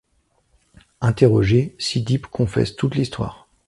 Interrogée, Cydippe confesse toute l’histoire.